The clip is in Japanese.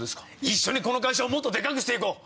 一緒にこの会社をもっとでかくして行こう！